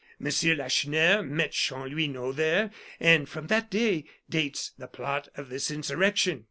Monsieur Lacheneur met Chanlouineau there, and from that day dates the plot of this insurrection."